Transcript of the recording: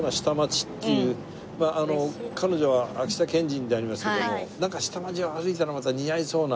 彼女は秋田県人でありますけどもなんか下町を歩いたらまた似合いそうな。